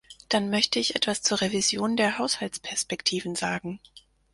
Dann möchte ich etwas zur Revision der Haushaltsperspektiven sagen.